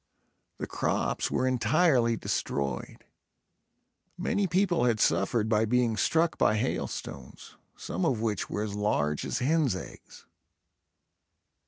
The crops were entirely destroyed. Many people had suffered by being struck by hailstones, some of which were as large as hens eggs.